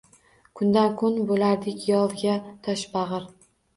Kundan-kun boʻlardik yovga toshbagʻir